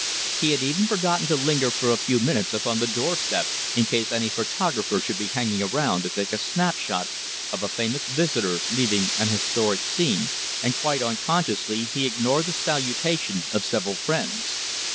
He had even forgotten to linger for a few minutes upon the doorstep in case any photographer should be hanging around to take a snapshot of a famous visitor leaving an historic scene, and quite unconsciously he ignored the salutation of several friends.